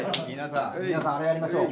皆さんあれやりましょう。